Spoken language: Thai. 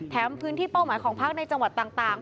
พื้นที่เป้าหมายของพักในจังหวัดต่าง